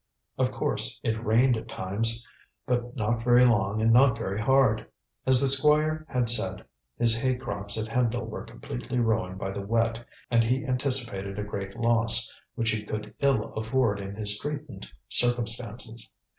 Of course, it rained at times, but not very long and not very hard. As the Squire had said, his hay crops at Hendle were completely ruined by the wet, and he anticipated a great loss, which he could ill afford in his straitened circumstances.